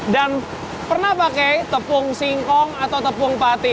dan pernah pakai tepung singkong atau tepung pati